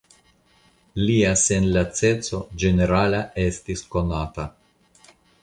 Lia senlaceco ĝenerala estis konata.